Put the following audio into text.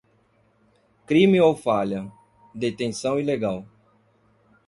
Crime ou falha: detenção ilegal.